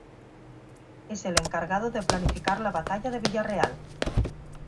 Es el encargado de planificar la batalla de Villarreal.